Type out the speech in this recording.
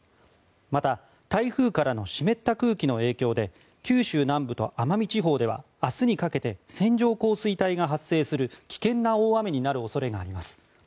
また、台風からの湿った空気の影響で九州南部と奄美地方では明日にかけて線状降水帯が発生する危険な大雨になる恐れがあります。